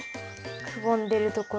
くぼんでるところ？